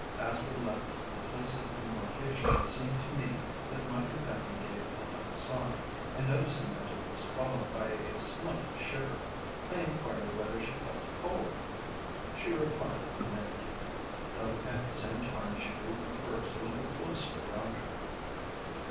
As we left the place of embarkation it seemed to me that my companion gave a little sigh, and noticing that it was followed by a slight shiver, I enquired whether she felt cold. She replied in the negative, though at the same time she drew her furs a little closer round her.